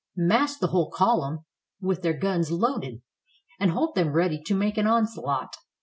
"Mass the whole column with their guns loaded, and hold them ready to make an onslaught."